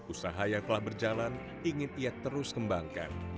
usaha yang telah berjalan ingin ia terus kembangkan